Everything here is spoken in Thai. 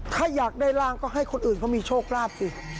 ถ้าอยากได้ร่างก็ให้คนอื่นเขามีโชคลาภสิ